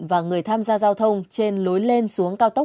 và người tham gia giao thông trên lối lên xuống cao tốc